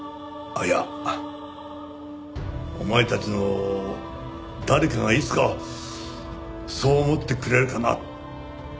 あっいやお前たちの誰かがいつかそう思ってくれるかな